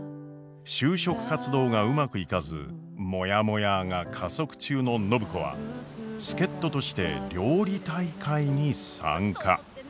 就職活動がうまくいかずもやもやーが加速中の暢子は助っ人として料理大会に参加。